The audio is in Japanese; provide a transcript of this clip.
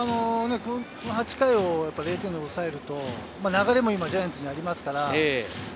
８回を０点で抑えると流れも今、ジャイアンツにありますから。